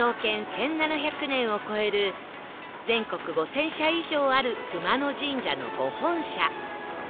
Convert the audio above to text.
１７００年を超える全国５０００社以上ある熊野神社の御本社